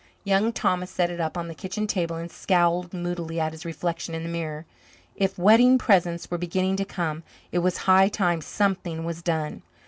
Young Thomas set it up on the kitchen table and scowled moodily at his reflection in the mirror. If wedding presents were beginning to come, it was high time something was done.